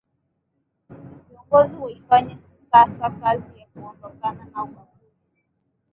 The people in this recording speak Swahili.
viongozi waifanye sasa kazi ya kuondokana na ubaguzi